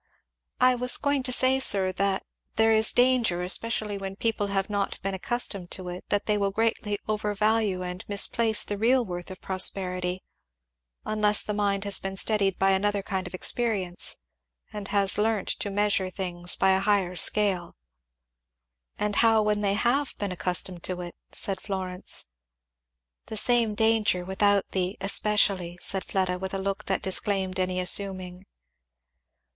"I was going to say, sir, that there is danger, especially when people have not been accustomed to it, that they will greatly overvalue and misplace the real worth of prosperity; unless the mind has been steadied by another kind of experience, and has learnt to measure things by a higher scale." "And how when they have been accustomed to it?" said Florence. "The same danger, without the 'especially'," said Fleda, with a look that disclaimed any assuming.